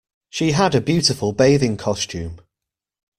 She had a beautiful bathing costume